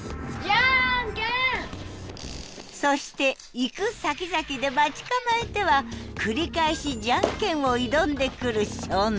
そして行くさきざきで待ち構えては繰り返し「ジャンケン」を挑んでくる少年。